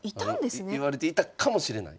いわれていたかもしれない。